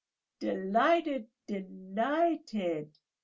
"Delighted, delighted!"